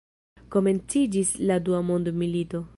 Komenciĝis la dua mondmilito.